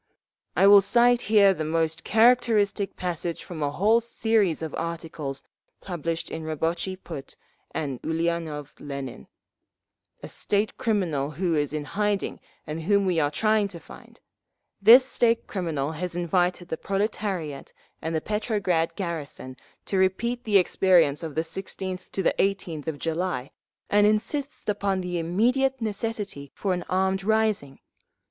"I will cite here the most characteristic passage from a whole series of articles published in Rabotchi Put by Ulianov Lenin, a state criminal who is in hiding and whom we are trying to find…. This state criminal has invited the proletariat and the Petrograd garrison to repeat the experience of the 16th 18th of July, and insists upon the immediate necessity for an armed rising….